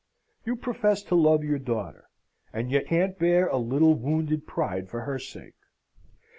You profess to love your daughter, and you can't bear a little wounded pride for her sake.